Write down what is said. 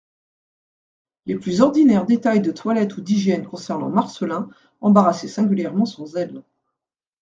Les plus ordinaires détails de toilette ou d'hygiène concernant Marcelin embarrassaient singulièrement son zèle.